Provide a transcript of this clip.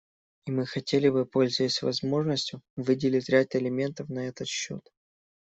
И мы хотели бы, пользуясь возможностью, выделить ряд элементов на этот счет.